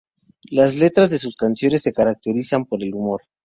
Las letras de sus canciones se caracterizan por el humor.